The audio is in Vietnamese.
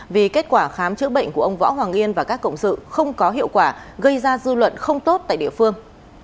vì kết quả khám chữa bệnh của ông võ hoàng yên và các cộng sự không có hiệu quả gây ra dư luận không tốt tại địa phương